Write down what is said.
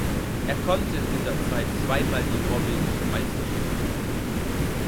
Er konnte in dieser Zeit zweimal die norwegische Meisterschaft gewinnen.